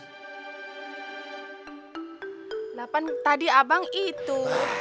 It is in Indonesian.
kenapa tadi abang itu